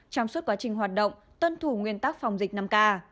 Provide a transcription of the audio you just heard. trong suốt quá trình hoạt động tuân thủ nguyên tắc phòng dịch năm k